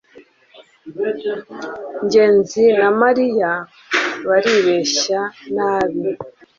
ngenzi na mariya baribeshya nabi